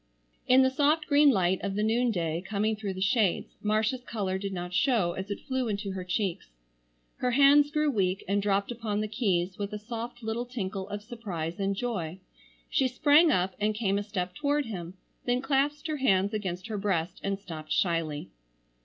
In the soft green light of the noonday coming through the shades Marcia's color did not show as it flew into her cheeks. Her hands grew weak and dropped upon the keys with a soft little tinkle of surprise and joy. She sprang up and came a step toward him, then clasped her hands against her breast and stopped shyly.